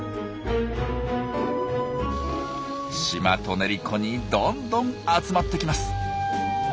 シマトネリコにどんどん集まってきます。